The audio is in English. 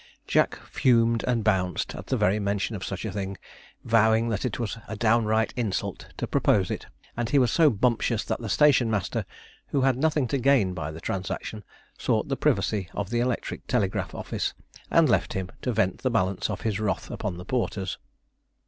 Jack fumed and bounced at the very mention of such a thing, vowing that it was a downright insult to propose it; and he was so bumptious that the station master, who had nothing to gain by the transaction, sought the privacy of the electric telegraph office, and left him to vent the balance of his wrath upon the porters.